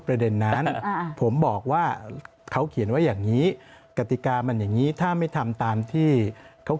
ประเด็นนั้นผมบอกว่าเขาเขียนไว้อย่างนี้กติกามันอย่างนี้ถ้าไม่ทำตามที่เขา